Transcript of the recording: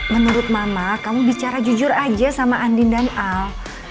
menurut mama kamu bicara jujur aja sama andin dan al